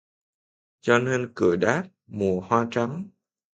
Cho nên cười đáp:'Mùa hoa trắng